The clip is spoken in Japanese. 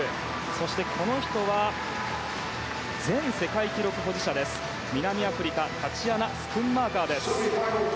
そして、前世界記録保持者南アフリカタチアナ・スクンマーカーです。